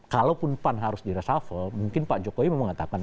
kalaupun pan harus diresafel mungkin pak jokowi memang mengatakan